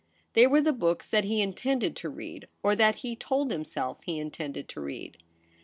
They were the books that he intended to read, or that he told himself he intended to read.